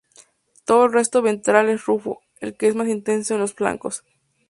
Todo el resto ventral es rufo, el que es más intenso en los flancos.